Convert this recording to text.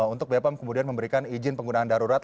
untuk bepom kemudian memberikan izin penggunaan darurat